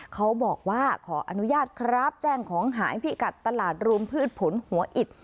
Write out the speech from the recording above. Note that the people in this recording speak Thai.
เขาบอกว่าขออนุญาตครับแจ้งของหายพิกัดตลาดรวมพืชผลหัวอิด